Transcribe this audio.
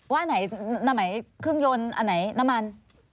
อันไหนเครื่องยนต์อันไหนน้ำมัน